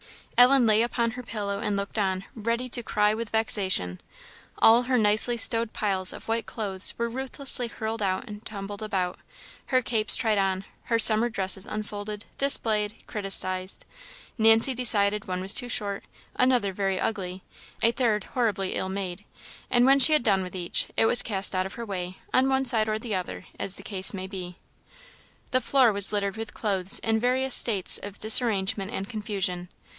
Ellen lay upon her pillow and looked on, ready to cry with vexation. All her nicely stowed piles of white clothes were ruthlessly hurled out and tumbled about; her capes tried on; her summer dresses unfolded, displayed, criticised. Nancy decided one was too short; another very ugly; a third horribly ill made; and when she had done with each, it was cast out of her way, on one side or the other, as the case might be. The floor was littered with clothes in various states of disarrangement and confusion.